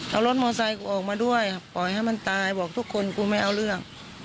เอารถมอไซคกูออกมาด้วยปล่อยให้มันตายบอกทุกคนกูไม่เอาเรื่อง